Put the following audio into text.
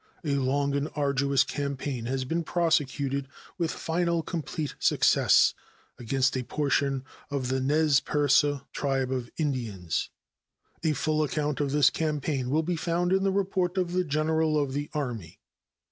A long and arduous campaign has been prosecuted, with final complete success, against a portion of the Nez Perce tribe of Indians. A full account of this campaign will be found in the report of the General of the Army.